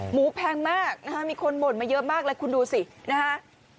แพงมากนะฮะมีคนบ่นมาเยอะมากเลยคุณดูสินะฮะ